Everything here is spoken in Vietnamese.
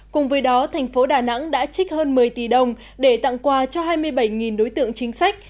cùng với đó thành phố đà nẵng đã trích hơn một mươi tỷ đồng để tặng quà cho hai mươi bảy đối tượng chính sách